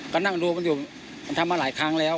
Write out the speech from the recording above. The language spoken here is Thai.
ก็นั่งดูมันอยู่มันทำมาหลายครั้งแล้ว